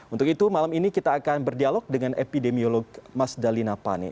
untuk itu malam ini kita akan berdialog dengan epidemiolog mas dalina pane